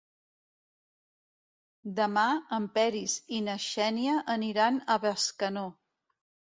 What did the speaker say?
Demà en Peris i na Xènia aniran a Bescanó.